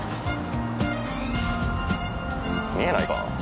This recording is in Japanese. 見えないかな？